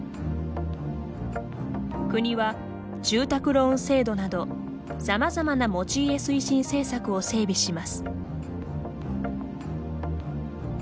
国は、住宅ローン制度などさまざまな持ち家推進政策を整備します。